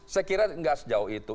saya kira nggak sejauh itu